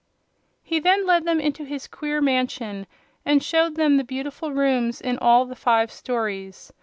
He then led them into his queer mansion and showed them the beautiful rooms in all the five stories.